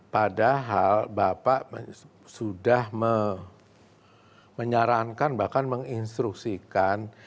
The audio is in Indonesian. padahal bapak sudah menyarankan bahkan menginstruksikan